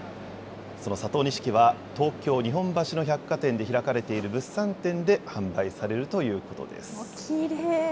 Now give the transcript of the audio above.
その佐藤錦は、東京・日本橋の百貨店で開かれている物産展で販売されるということです。